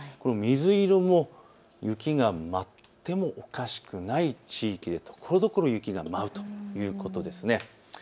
水色も雪が舞ってもおかしくないところ、ところどころ雪が舞うというところですね。